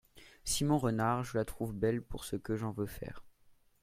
Simon Renard Je la trouve belle pour ce que j’en veux faire.